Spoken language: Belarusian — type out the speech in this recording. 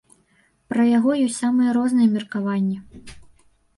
Пра яго ёсць самыя розныя меркаванні.